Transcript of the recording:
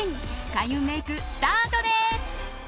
開運メイク、スタートです。